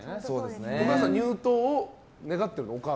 お母さん入党を願ってるの？